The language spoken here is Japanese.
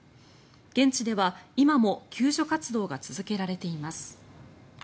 現地では今も救助活動が続けられています。